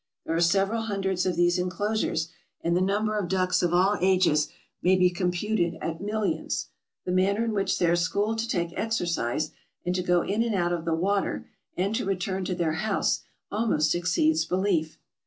There are several hundreds of these inclosures, and the number of ducks of all ages may be computed at millions. The manner in which they are schooled to take exercise, and to go in and out of the water, and to return to their house, almost exceeds belief.